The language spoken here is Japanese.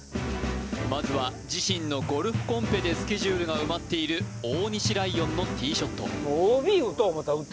まずは自身のゴルフコンペでスケジュールが埋まっている大西ライオンのティーショット